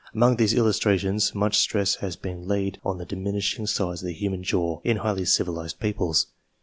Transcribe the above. Among these illustrations much stress has been laid on the diminishing size of the human jaw, in highly civilized peoples.